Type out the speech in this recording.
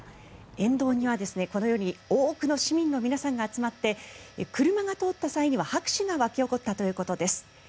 沿道には、このように多くの市民の皆さんが集まって車が通った際には、拍手が湧き起こったということです。